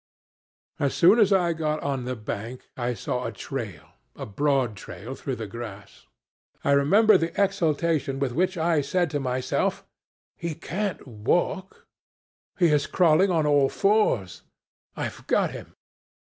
"As soon as I got on the bank I saw a trail a broad trail through the grass. I remember the exultation with which I said to myself, 'He can't walk he is crawling on all fours I've got him.'